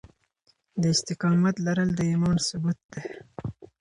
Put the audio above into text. د استقامت لرل د ايمان ثبوت دی.